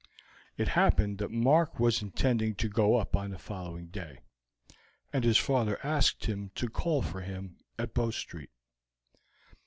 It happened that Mark was intending to go up on the following day, and his father asked him to call for him at Bow Street.